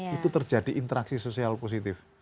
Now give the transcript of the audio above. itu terjadi interaksi sosial positif